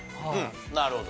なるほど。